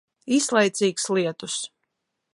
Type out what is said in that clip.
Īslaicīgs lietus.